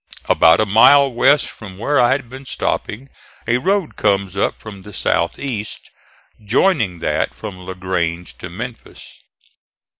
About a mile west from where I had been stopping a road comes up from the southeast, joining that from La Grange to Memphis.